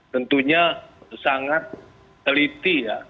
tentunya sangat teliti ya